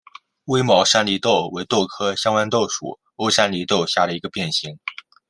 微毛山黧豆为豆科香豌豆属欧山黧豆下的一个变型。